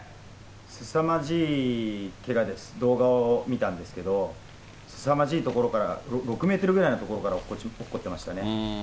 すさまじいけがです、動画を見たんですけれども、すさまじい所から、６メートルぐらいの所からおっこってましたね。